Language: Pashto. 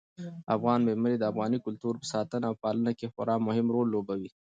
افغان مېرمنې د افغاني کلتور په ساتنه او پالنه کې خورا مهم رول لوبوي.